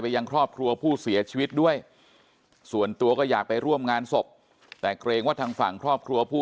เขาคงจะทราบดีว่าผมพยายามสะโกนบอกว่าให้พาคนเจ็บขึ้น